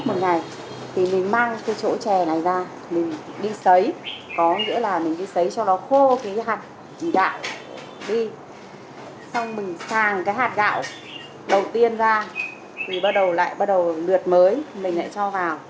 cách một ngày thì mình mang cái chỗ trà này ra mình đi sấy có nghĩa là mình đi sấy cho nó khô cái hạt gạo đi xong mình sàng cái hạt gạo đầu tiên ra thì bắt đầu lượt mới mình lại cho vào